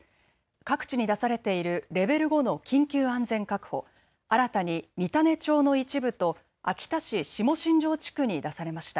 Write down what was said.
各地に出されているレベル５の緊急安全確保、新たに三種町の一部と秋田市下新城地区に出されました。